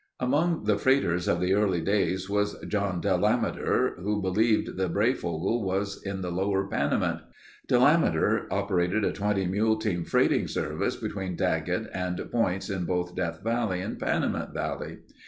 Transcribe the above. Among the freighters of the early days was John Delameter who believed the Breyfogle was in the lower Panamint. Delameter operated a 20 mule team freighting service between Daggett and points in both Death Valley and Panamint Valley.